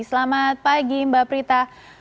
selamat pagi mbak prita